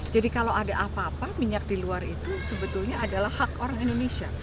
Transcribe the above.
kalau ada apa apa minyak di luar itu sebetulnya adalah hak orang indonesia